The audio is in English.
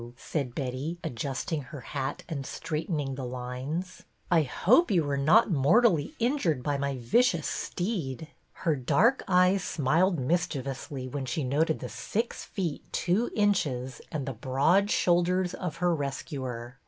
said Betty, adjusting her hat and straightening the lines. " I hope you were not mortally injured by my vicious steed." Her dark eyes smiled mischievously, when she noted the six feet two inches and the broad shoulders of her rescuer.